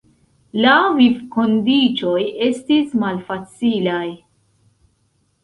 La vivkondiĉoj estis malfacilaj.